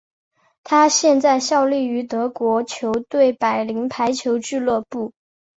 他现在效力于德国球队柏林排球俱乐部。